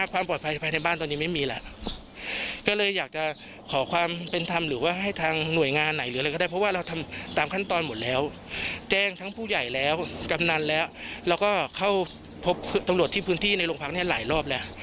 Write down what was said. ก็พบตำรวจที่พื้นที่ในโรงพยาบาลเนี่ยหลายรอบแหละ